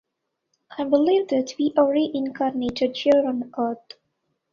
I believe that we are reincarnated here on earth